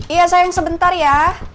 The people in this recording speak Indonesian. iya sayang sebentar ya